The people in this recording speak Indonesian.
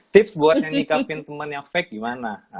tips buat nyikapin temen yang fake gimana